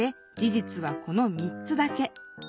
じつはこの３つだけ。